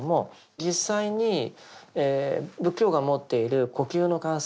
実際に仏教が持っている呼吸の観察